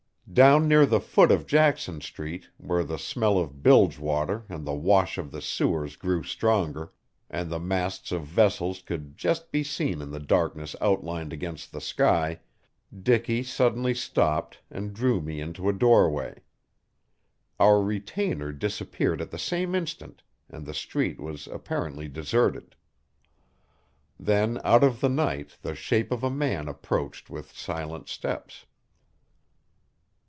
Down near the foot of Jackson Street, where the smell of bilge water and the wash of the sewers grew stronger, and the masts of vessels could just be seen in the darkness outlined against the sky, Dicky suddenly stopped and drew me into a doorway. Our retainer disappeared at the same instant, and the street was apparently deserted. Then out of the night the shape of a man approached with silent steps.